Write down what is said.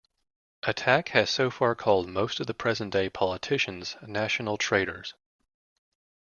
Attack has so far called most of the present-day politicians national traitors.